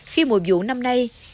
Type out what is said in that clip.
khi mùa vụ năm nay